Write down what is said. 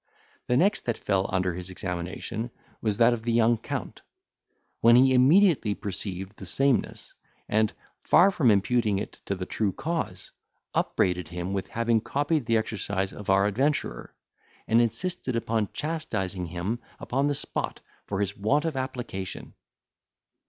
The next that fell under his examination was that of the young Count, when he immediately perceived the sameness, and, far from imputing it to the true cause, upbraided him with having copied the exercise of our adventurer, and insisted upon chastising him upon the spot for his want of application.